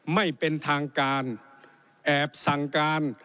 ไม่เป็นทางการแอบสั่งการ